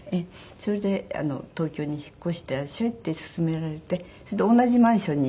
それで東京に引っ越していらっしゃいって勧められてそれで同じマンションに。